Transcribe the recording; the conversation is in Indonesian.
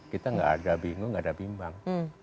kita gak ada bingung gak ada bimbang